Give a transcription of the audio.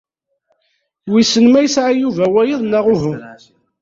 Wissen ma yesɛa Yuba wayeḍ neɣ uhu.